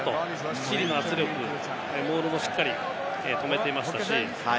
チリの圧力、モールもしっかり止めていましたし。